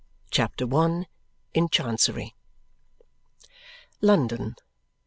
CHAPTER I In Chancery London.